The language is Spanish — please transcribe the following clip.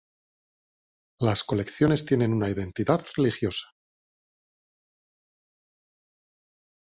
Las colecciones tienen una identidad religiosa.